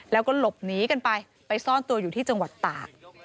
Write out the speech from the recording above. แล้วก็หลบหนีกันไปไปซ่อนตัวอยู่ที่จังหวัดตาก